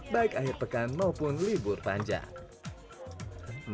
baik akhir pekan maupun libur panjang